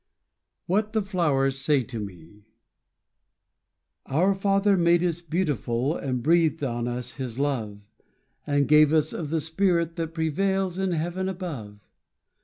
What the Flowers Say to Me Our Father made us beautiful, And breathed on us his love, And gave us of the spirit that Prevails in heaven above.